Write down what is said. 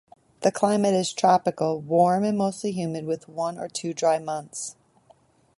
The climate is tropical, warm and mostly humid, with one or two dry months.